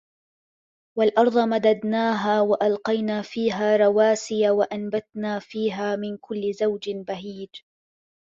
وَالْأَرْضَ مَدَدْنَاهَا وَأَلْقَيْنَا فِيهَا رَوَاسِيَ وَأَنْبَتْنَا فِيهَا مِنْ كُلِّ زَوْجٍ بَهِيجٍ